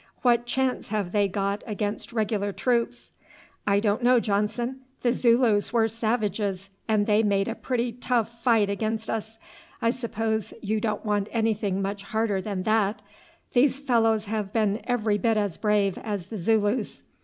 "What chance have they got against regular troops?" "I don't know, Johnson. The Zulus were savages, and they made a pretty tough fight against us. I suppose you don't want anything much harder than that? These fellows have been every bit as brave as the Zulus.